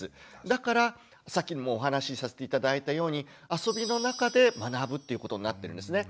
だからさっきもお話しさせて頂いたように「遊びのなかで学ぶ」ということになってるんですね。